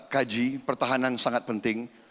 kaji pertahanan sangat penting